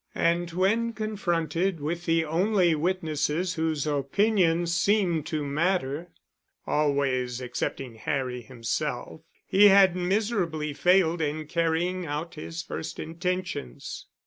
And when confronted with the only witnesses whose opinions seemed to matter (always excepting Harry himself), he had miserably failed in carrying out his first intentions.